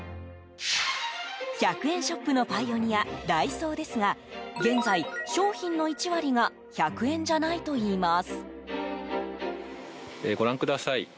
１００円ショップのパイオニアダイソーですが現在、商品の１割が１００円じゃないといいます。